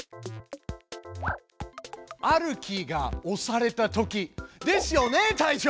「あるキーが押されたとき」ですよね隊長！